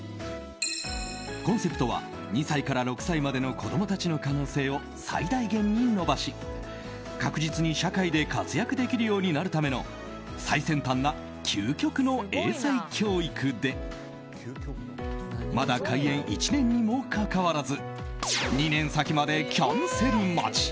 コンセプトは２歳から６歳までの子供たちの可能性を最大限に伸ばし確実に社会で活躍できるようになるための最先端な究極の英才教育でまだ開園１年にもかかわらず２年先までキャンセル待ち。